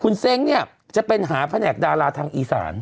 คุณเซ้งเนี่ยจะเป็นหาแผนกดาราทางอีสาน